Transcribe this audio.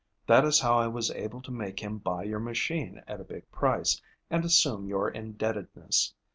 That is how I was able to make him buy your machine at a big price and assume your indebtedness.